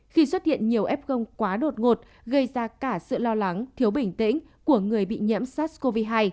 khi xuất hiện nhiều f gông quá đột ngột gây ra cả sự lo lắng thiếu bình tĩnh của người bị nhiễm sars cov hai